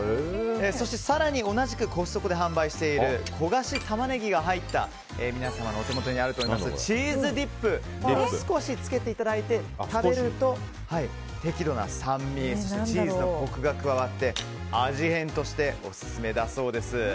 そして、更に同じくコストコで販売している焦がしタマネギが入った皆様のお手元にあると思いますチーズディップを少しつけていただいて食べると適度な酸味そしてチーズのコクが加わって味変としてオススメだそうです。